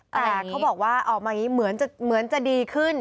แต่เขาบอกว่าออกมาอย่างนี้เหมือนจะดีขึ้น